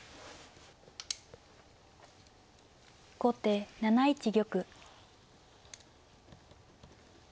後手７一玉。